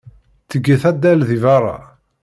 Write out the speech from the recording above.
Ttget addal deg beṛṛa.